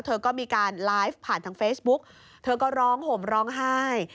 เธอก็มีการไลฟ์ผ่านทางเฟซบุ๊กเธอก็ร้องห่มร้องไห้